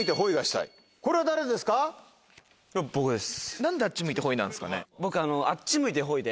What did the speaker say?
何であっち向いてホイなんですかね？